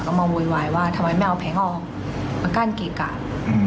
ก็มาโวยวายว่าทำไมไม่เอาแผงออกมากั้นเกะกะ